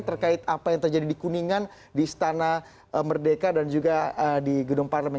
terkait apa yang terjadi di kuningan di istana merdeka dan juga di gedung parlemen